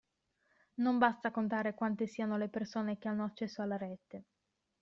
Non basta contare quante siano le persone che hanno accesso alla rete.